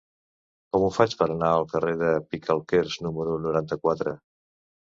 Com ho faig per anar al carrer de Picalquers número noranta-quatre?